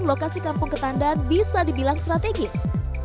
lokasi kampung ketandan bisa dibilang strategis